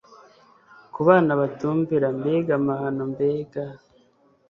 ku bana batumvira Mbega amahano mbega